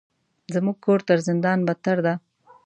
زموږ کور تر زندان بدتر ده.